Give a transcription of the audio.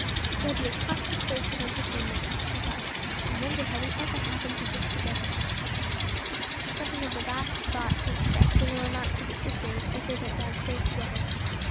"They'll be a constant source of entertainment," she thought. "I wonder how we ever happened to drift together." Something of the last thought she expressed in a remark to the sisters as they went down stairs together.